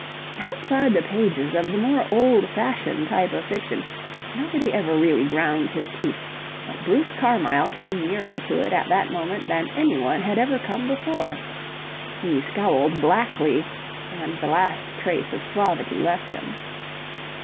Outside the pages of the more old fashioned type of fiction nobody ever really ground his teeth, but Bruce Carmyle came nearer to it at that moment than anyone had ever come before. He scowled blackly, and the last trace of suavity left him.